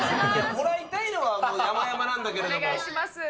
もらいたいのは、やまやまなんだけれども。